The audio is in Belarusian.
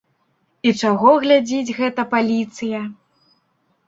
І чаго глядзіць гэтая паліцыя!